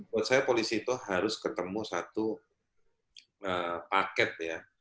buat saya polisi itu harus ketemu satu paket ya